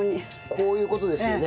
こういう事ですよね？